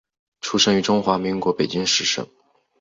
出生于中华民国北京市生。